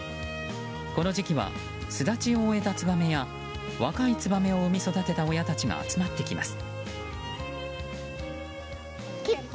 この時期は巣立ちを終えたツバメや若いツバメを生み育てた親たちが集まってきます。